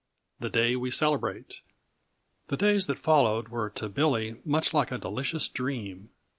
The Day We Celebrate. The days that followed were to Billy much like a delicious dream.